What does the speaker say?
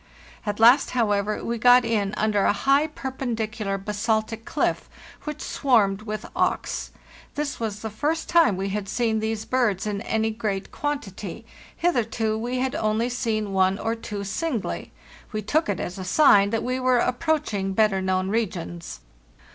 At last, however, we got in under a high, perpendicular basaltic cliff,* which swarmed with auks. 'This was the first time we had seen these birds in any great quantity; hitherto we had only seen one or two singly. We took it as a sign that we were approaching better known regions.